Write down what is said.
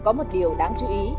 có một điều đáng chú ý